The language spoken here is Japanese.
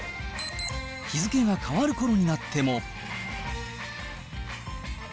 日付が変わる頃になっても。